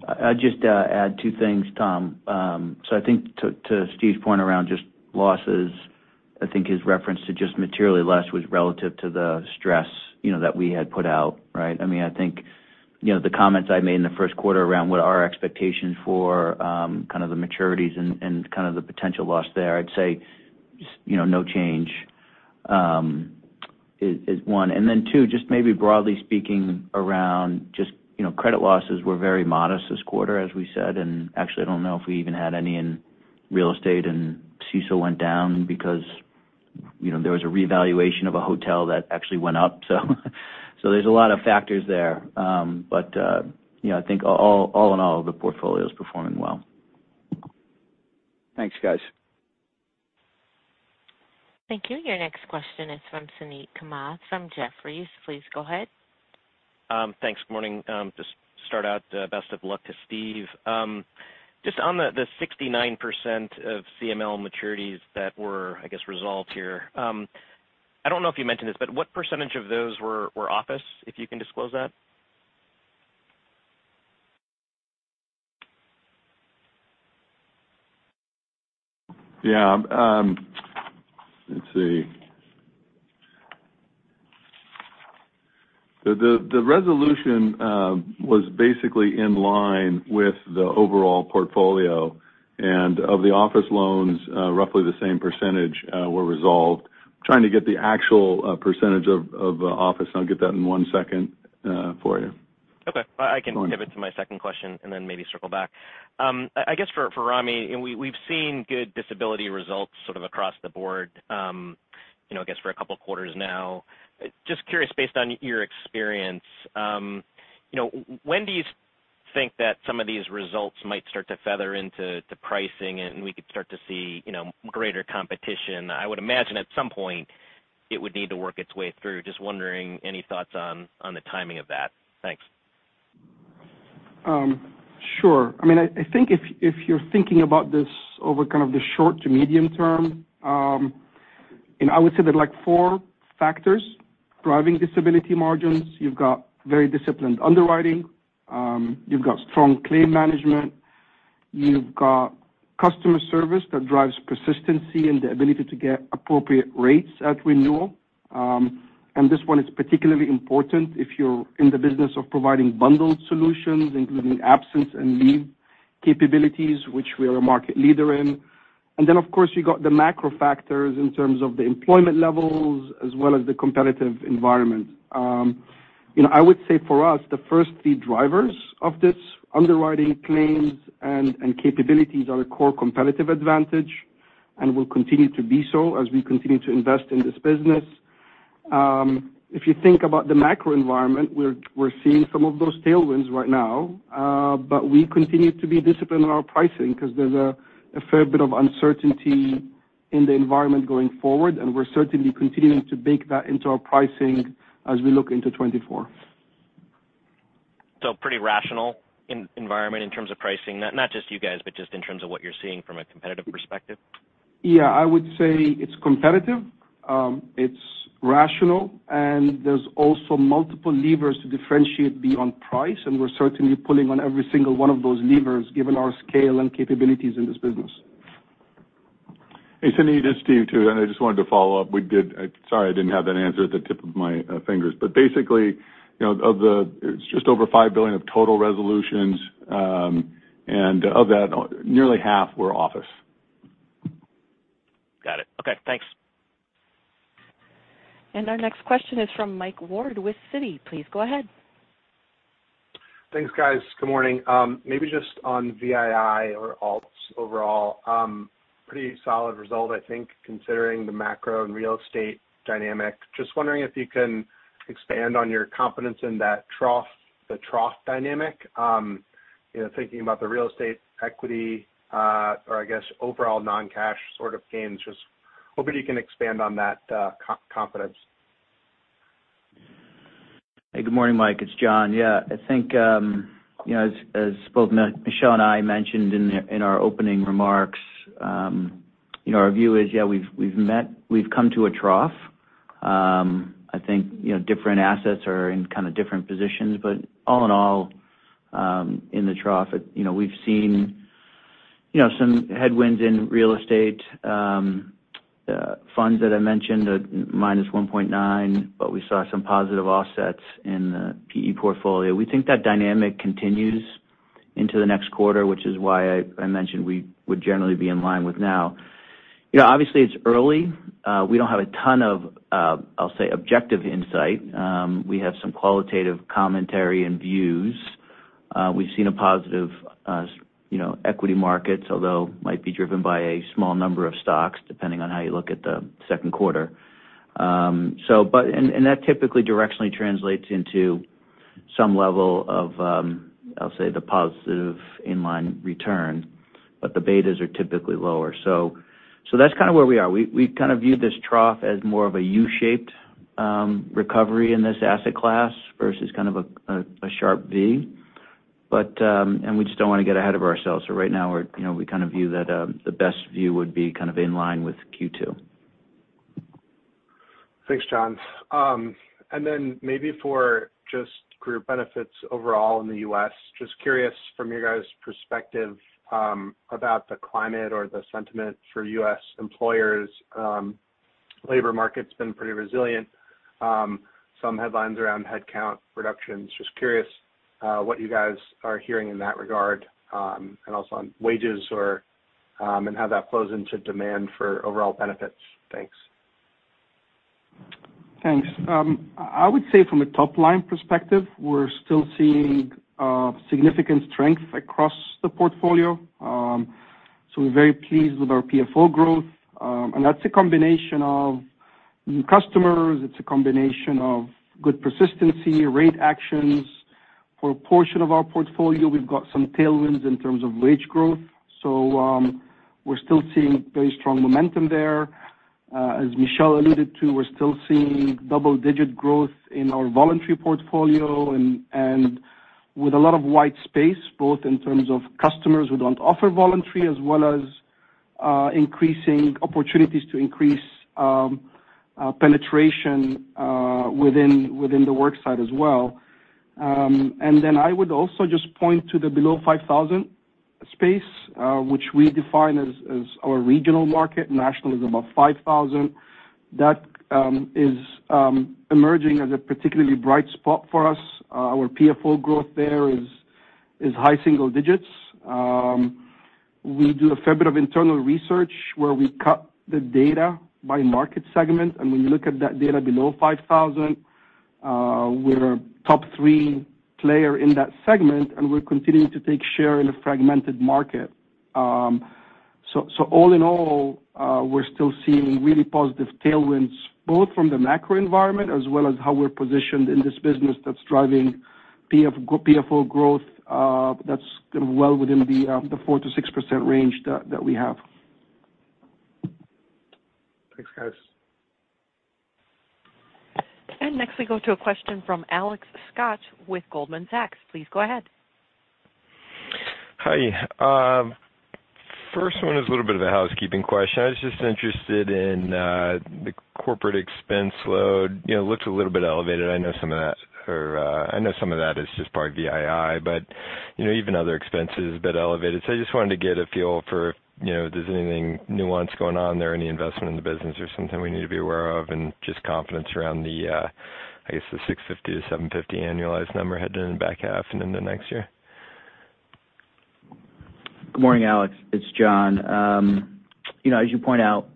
I'd just add two things, Tom. I think to, to Steve's point around just losses, I think his reference to just materially less was relative to the stress, you know, that we had put out, right? I mean, I think, you know, the comments I made in the first quarter around what our expectations for, kind of the maturities and kind of the potential loss there, I'd say, just, you know, no change is one. Then two, just maybe broadly speaking, around just, you know, credit losses were very modest this quarter, as we said, and actually, I don't know if we even had any in real estate, and CECL went down because, you know, there was a reevaluation of a hotel that actually went up. There's a lot of factors there. You know, I think all in all, the portfolio is performing well. Thanks, guys. Thank you. Your next question is from Suneet Kamath from Jefferies. Please go ahead. Thanks. Good morning. Just start out, best of luck to Steve. Just on the, the 69% of CML maturities that were, I guess, resolved here, I don't know if you mentioned this, but what percentage of those were, were office, if you can disclose that? Let's see. The resolution was basically in line with the overall portfolio, and of the office loans, roughly the same percentage were resolved. I'm trying to get the actual percentage of office, and I'll get that in one second for you. Okay. Go on. I can pivot to my second question and then maybe circle back. I guess for Ramy and we've seen good disability results sort of across the board, you know, for two quarters now. Just curious, based on your experience, you know, when do you think that some of these results might start to feather into the pricing, and we could start to see, you know, greater competition? I would imagine at some point, it would need to work its way through. Just wondering, any thoughts on, on the timing of that? Thanks. Sure. I mean, I think if you're thinking about this over kind of the short to medium term. I would say that, like, four factors driving disability margins. You've got very disciplined underwriting, you've got strong claim management, you've got customer service that drives persistency and the ability to get appropriate rates at renewal. This one is particularly important if you're in the business of providing bundled solutions, including absence and leave capabilities, which we are a market leader in. Then, of course, you got the macro factors in terms of the employment levels as well as the competitive environment. You know, I would say for us, the first three drivers of this underwriting claims and capabilities are a core competitive advantage and will continue to be so as we continue to invest in this business. If you think about the macro environment, we're, we're seeing some of those tailwinds right now, but we continue to be disciplined in our pricing because there's a, a fair bit of uncertainty in the environment going forward, and we're certainly continuing to bake that into our pricing as we look into 2024. pretty rational environment in terms of pricing, not, not just you guys, but just in terms of what you're seeing from a competitive perspective? Yeah, I would say it's competitive, it's rational, and there's also multiple levers to differentiate beyond price, and we're certainly pulling on every single one of those levers, given our scale and capabilities in this business. Hey, Suneet, this is Steve, too, and I just wanted to follow up. Sorry, I didn't have that answer at the tip of my fingers. Basically, you know, of the, it's just over $5 billion of total resolutions, and of that, nearly $2.5 billion were office. Got it. Okay, thanks. Our next question is from Mike Ward with Citi. Please go ahead. Thanks, guys. Good morning. Maybe just on VII or alts overall, pretty solid result, I think, considering the macro and real estate dynamic. Just wondering if you can expand on your confidence in that the trough dynamic, you know, thinking about the real estate equity, or I guess, overall non-cash sort of gains? Just hoping you can expand on that confidence. Hey, good morning, Mike, it's John. Yeah, I think, you know, as, as both Michel and I mentioned in, in our opening remarks, you know, our view is, yeah, we've come to a trough. I think, you know, different assets are in kind of different positions, but all in all, in the trough, you know, we've seen, you know, some headwinds in real estate funds that I mentioned, a -1.9%, but we saw some positive offsets in the PE portfolio. We think that dynamic continues into the next quarter, which is why I mentioned we would generally be in line with now. You know, obviously, it's early. We don't have a ton of, I'll say, objective insight. We have some qualitative commentary and views. We've seen a positive, you know, equity markets, although might be driven by a small number of stocks, depending on how you look at the second quarter. That typically directionally translates into some level of, I'll say, the positive in-line return, but the betas are typically lower. That's kind of where we are. We kind of view this trough as more of a U-shaped recovery in this asset class versus kind of a sharp V. We just don't want to get ahead of ourselves. We're, you know, we kind of view that the best view would be kind of in line with Q2. Thanks, John. Then maybe for just group benefits overall in the U.S., just curious from your guys' perspective, about the climate or the sentiment for U.S. employers? Labor market's been pretty resilient, some headlines around headcount reductions. Just curious, what you guys are hearing in that regard, and also on wages or, and how that flows into demand for overall benefits? Thanks. Thanks. I would say from a top-line perspective, we're still seeing significant strength across the portfolio. We're very pleased with our PFO growth, and that's a combination of new customers, it's a combination of good persistency, rate actions. For a portion of our portfolio, we've got some tailwinds in terms of wage growth. We're still seeing very strong momentum there. As Michel alluded to, we're still seeing double-digit growth in our voluntary portfolio and, and with a lot of white space, both in terms of customers who don't offer voluntary, as well as increasing opportunities to increase penetration within, within the work site as well. I would also just point to the below 5,000 space, which we define as our regional market. National is above 5,000. That is emerging as a particularly bright spot for us. Our PFO growth there is high single digits. We do a fair bit of internal research where we cut the data by market segment, and when you look at that data below 5,000, we're a top three player in that segment, and we're continuing to take share in a fragmented market. All in all, we're still seeing really positive tailwinds, both from the macro environment as well as how we're positioned in this business that's driving PFO growth, that's kind of well within the 4%-6% range that we have. Thanks, guys. Next, we go to a question from Alex Scott with Goldman Sachs. Please go ahead. Hi. first one is a little bit of a housekeeping question. I was just interested in, the corporate expense load. You know, it looks a little bit elevated. I know some of that- or, I know some of that is just part of VII, but, you know, even other expenses a bit elevated. I just wanted to get a feel for, you know, if there's anything nuance going on there, any investment in the business or something we need to be aware of, and just confidence around the, I guess the $650-$750 annualized number had been in the back half and into next year. Good morning, Alex, it's John. You know, as you point out,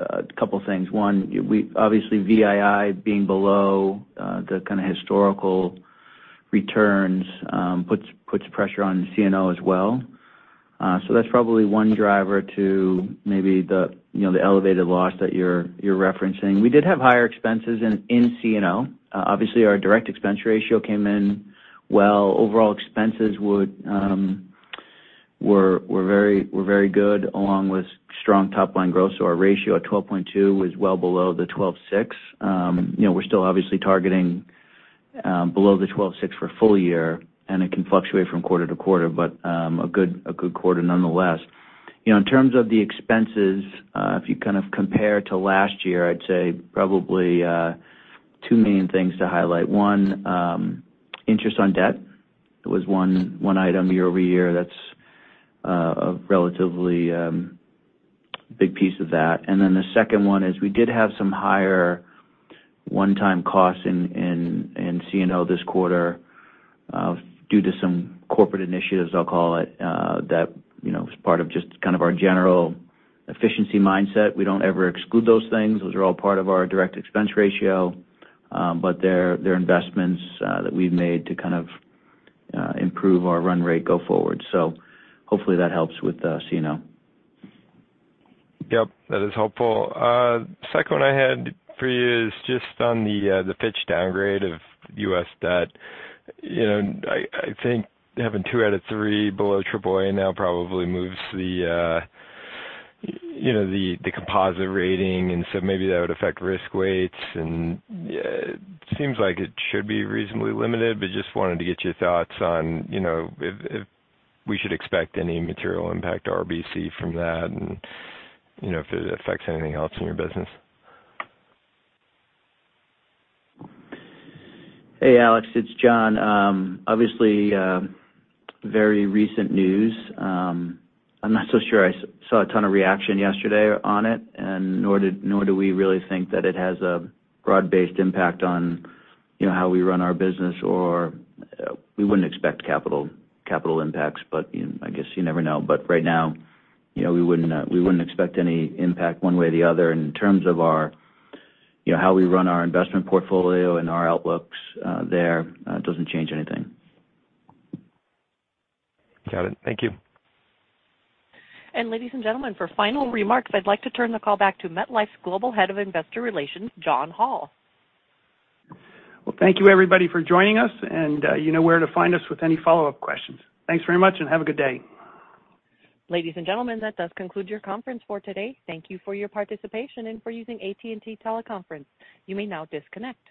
a couple things. One, we obviously, VII being below the kind of historical returns, puts pressure on CNO as well. That's probably one driver to maybe the, you know, the elevated loss that you're, you're referencing. We did have higher expenses in, in CNO. Obviously, our direct expense ratio came in well. Overall expenses were very good, along with strong top-line growth. Our ratio at 12.2 was well below the 12.6. You know, we're still obviously targeting below the 12.6 for full year, and it can fluctuate from quarter to quarter, but a good quarter nonetheless. You know, in terms of the expenses, if you kind of compare to last year, I'd say probably two main things to highlight. One, interest on debt. It was one item year-over-year that's a relatively big piece of that. The second one is we did have some higher one-time costs in CNO this quarter, due to some corporate initiatives, I'll call it, that, you know, is part of just kind of our general efficiency mindset. We don't ever exclude those things. Those are all part of our direct expense ratio, but they're investments that we've made to kind of improve our run rate go forward. Hopefully that helps with the CNO. Yep, that is helpful. Second one I had for you is just on the Fitch downgrade of U.S. debt. You know, I think having two out of three below AAA now probably moves the, you know, the, the composite rating, and so maybe that would affect risk weights. Seems like it should be reasonably limited, but just wanted to get your thoughts on, you know, if, if we should expect any material impact to RBC from that, and, you know, if it affects anything else in your business. Hey, Alex, it's John. Obviously, very recent news. I'm not so sure I saw a ton of reaction yesterday on it, and nor do we really think that it has a broad-based impact on, you know, how we run our business, or, we wouldn't expect capital impacts, but, you know, I guess you never know. Right now, you know, we wouldn't expect any impact one way or the other in terms of our, you know, how we run our investment portfolio and our outlooks, there. It doesn't change anything. Got it. Thank you. Ladies and gentlemen, for final remarks, I'd like to turn the call back to MetLife's Global Head of Investor Relations, John Hall. Well, thank you, everybody, for joining us, and you know where to find us with any follow-up questions. Thanks very much, and have a good day. Ladies and gentlemen, that does conclude your conference for today. Thank you for your participation and for using AT&T Teleconference. You may now disconnect.